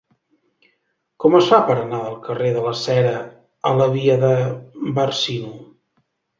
Com es fa per anar del carrer de la Cera a la via de Bàrcino?